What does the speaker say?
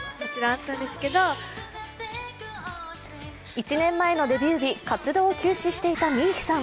１年前のデビュー日、活動を休止していたＭＩＩＨＩさん。